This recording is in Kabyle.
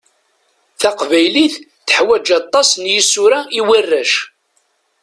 Taqbaylit teḥwaǧ aṭas n isura i warrac.